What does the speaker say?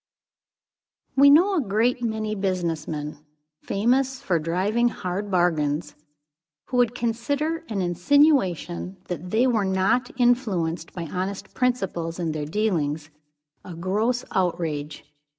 WE know a great many businessmen, famous for driving hard bargains, who would consider an insinuation that they were not influenced by honest principles in their dealings a gross outrage.